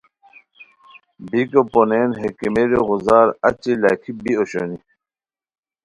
،یکو پونین ہے کیمریو غوزار اچی لاکھی بی اوشونی